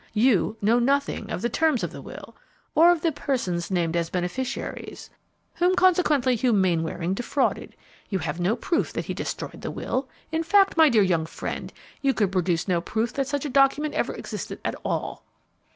You know nothing of the terms of the will, or of the persons named as beneficiaries, whom, consequently, Hugh Mainwaring defrauded. You have no proof that he destroyed the will. In fact, my dear young friend, you could produce no proof that such a document ever existed at all!"